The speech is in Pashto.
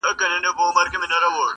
o چا له دم چا له دوا د رنځ شفا سي,